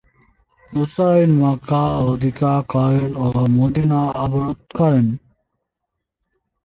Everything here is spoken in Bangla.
হুসাইন মক্কা অধিকার করেন ও মদীনা অবরোধ করেন।